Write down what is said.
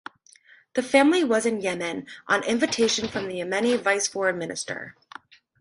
The family was in Yemen on invitation from the Yemeni vice foreign-minister.